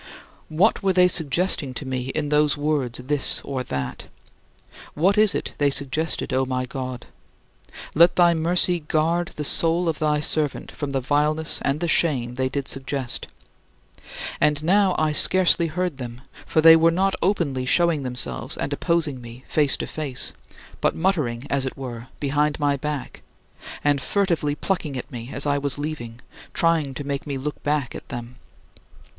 What were they suggesting to me in those words "this or that"? What is it they suggested, O my God? Let thy mercy guard the soul of thy servant from the vileness and the shame they did suggest! And now I scarcely heard them, for they were not openly showing themselves and opposing me face to face; but muttering, as it were, behind my back; and furtively plucking at me as I was leaving, trying to make me look back at them.